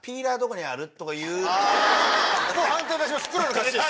もう判定お願いします。